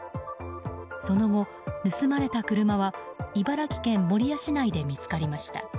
その後、盗まれた車は茨城県守谷市内で見つかりました。